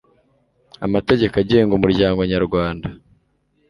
amategeko agenga umuryango nyarwanda